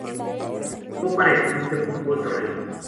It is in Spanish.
Jugó para el Club de Fútbol Torreón.